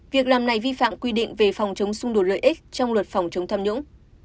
việc làm này vi phạm quy định về phòng chống xung đột lợi ích trong luật phòng chống tham nhũng